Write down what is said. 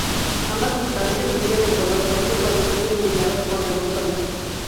Ambas sustancias brillan en color verde cuando son iluminadas por la luz solar.